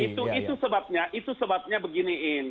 itu itu sebabnya itu sebabnya beginiin